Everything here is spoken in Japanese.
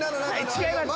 違います！